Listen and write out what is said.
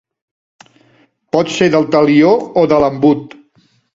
Pot ser del talió o de l'embut.